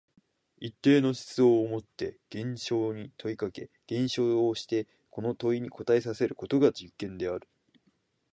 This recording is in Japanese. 一定の思想をもって現象に問いかけ、現象をしてこの問いに答えさせることが実験である。